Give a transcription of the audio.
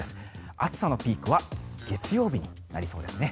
暑さのピークは月曜日になりそうですね。